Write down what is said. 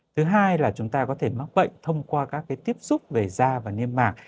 thứ hai là chúng ta có thể mắc bệnh thông qua các cái tiếp xúc về da và niêm mạc